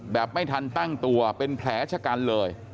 แบบไม่ทันตั้งตัวเป็นแผลชะกันเลย